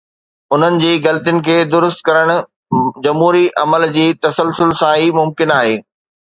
انهن جي غلطين کي درست ڪرڻ جمهوري عمل جي تسلسل سان ئي ممڪن آهي.